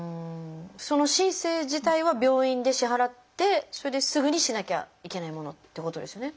その申請自体は病院で支払ってそれですぐにしなきゃいけないものっていうことですよね。